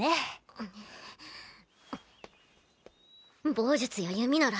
棒術や弓なら。